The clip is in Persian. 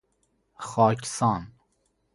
خاکسان